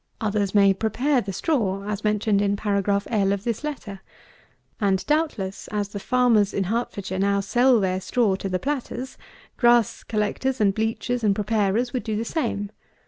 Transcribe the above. Others may prepare the straw, as mentioned in paragraph L. of this letter. And doubtless, as the farmers in Hertfordshire now sell their straw to the platters, grass collectors and bleachers and preparers would do the same.